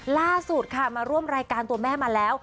ล่าสุดค่ะมาร่วมรายการตัวแม่มาแล้ว